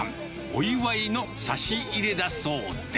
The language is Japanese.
お祝いの差し入れだそうで。